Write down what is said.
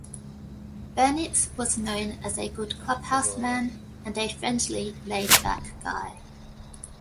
Burnitz was known as a good clubhouse man and a friendly, laid-back guy.